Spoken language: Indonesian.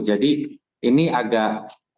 jadi ini agak